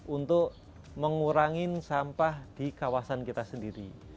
untuk mengurangi sampah di kawasan kita sendiri